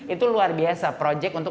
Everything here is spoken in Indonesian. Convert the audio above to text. itu luar biasa proyek untuk